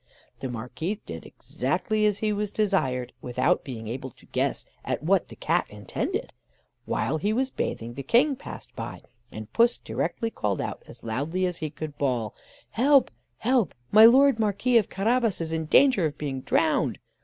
The Marquis did exactly as he was desired, without being able to guess at what the Cat intended. While he was bathing, the King passed by, and Puss directly called out, as loudly as he could bawl: "Help! help! My Lord Marquis of Carabas is in danger of being drowned!"